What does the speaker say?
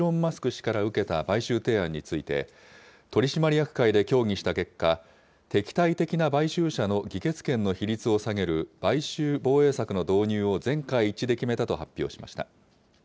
氏から受けた買収提案について、取締役会で協議した結果、敵対的な買収者の議決権の比率を下げる買収防衛策の導入を全会一致で決めたと発表しました。